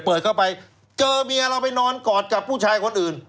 เปิดเข้าไปเจอเมียเราไปนอนกอดกับผู้ชายคนอื่น